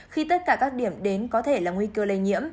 khi tất cả các điểm đến có thể là nguy cơ lây nhiễm